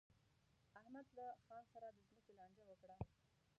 احمد له خان سره د ځمکې لانجه وکړه.